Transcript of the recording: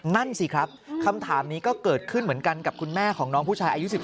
นั่นสิครับคำถามนี้ก็เกิดขึ้นเหมือนกันกับคุณแม่ของน้องผู้ชายอายุ๑๓